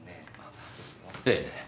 ええ。